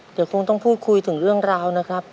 เดี๋ยวคงต้องพูดคุยถึงเรื่องราวนะครับ